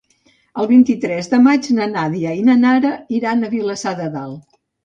El vint-i-tres de maig na Nàdia i na Nara iran a Vilassar de Dalt.